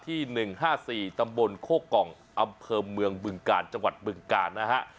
ที่๑๕๔ตำบลโคกองอำเภอเมืองบึงกาลจังหวัดบึงกาลนะฮะ